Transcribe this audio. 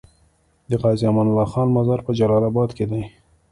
د غازي امان الله خان مزار په جلال اباد کی دی